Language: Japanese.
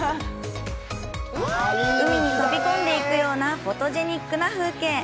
海に飛び込んでいくようなフォトジェニックな風景。